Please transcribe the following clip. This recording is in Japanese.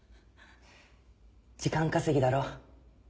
時間稼ぎだろ？